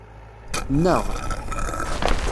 Nneɣ.